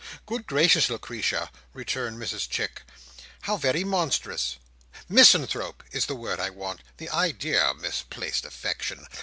"Good gracious, Lucretia!" returned Mrs Chick "How very monstrous! Misanthrope, is the word I want. The idea! Misplaced affection!